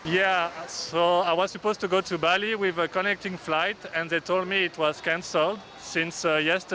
ya saya tidak tahu saya tidak menjanjikan itu